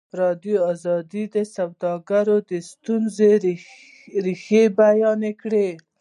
ازادي راډیو د سوداګري د ستونزو رېښه بیان کړې.